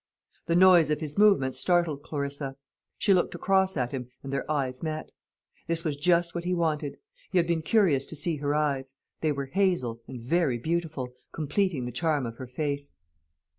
The noise of his movements startled Clarissa; she looked across at him, and their eyes met. This was just what he wanted. He had been curious to see her eyes. They were hazel, and very beautiful, completing the charm of her face.